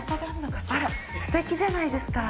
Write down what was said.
あらすてきじゃないですか。